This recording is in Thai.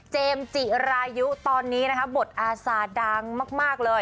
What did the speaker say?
เจมส์จิรายุตอนนี้บทอาศาดังมาก